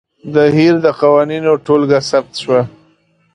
د هیر د قوانینو ټولګه ثبت شوه.